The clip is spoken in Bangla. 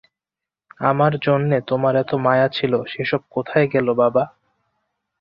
আমার জন্যে তোমার এত মায়া ছিল সেসব কোথায় গেল বাবা?